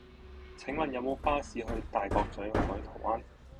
請問有無巴士去大角嘴海桃灣